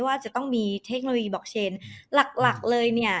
ว่าจะต้องมีเทคโนโลยีบอกเชนหลักหลักเลยเนี่ย